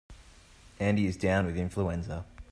Andy is down with influenza.